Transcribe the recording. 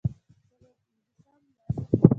څلور پينځوسم لوست